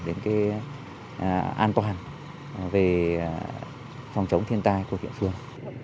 đến cái an toàn về phòng chống thiên tai của địa phương